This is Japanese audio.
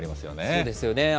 そうですよね。